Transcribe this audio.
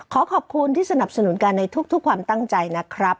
ขอขอบคุณที่สนับสนุนกันในทุกความตั้งใจนะครับ